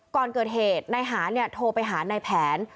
ก่อนเกิดเหตุนายหานโทรไปหานายแผน